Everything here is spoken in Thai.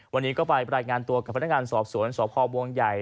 วันนี้ก็ไปรายงานตัวกับพนักงานสอบสวนสพบัวใหญ่